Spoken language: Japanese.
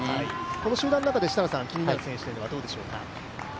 この集団の中で気になる選手はどうでしょうか？